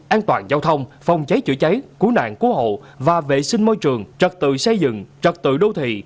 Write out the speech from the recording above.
an toàn giao thông phòng cháy chữa cháy cứu nạn cứu hộ và vệ sinh môi trường trật tự xây dựng trật tự đô thị